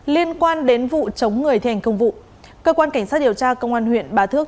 liên quan đến vụ chống người thi hành công vụ cơ quan cảnh sát điều tra công an huyện bà thước